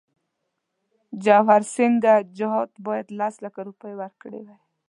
جواهرسینګه جاټ باید لس لکه روپۍ ورکړي وای.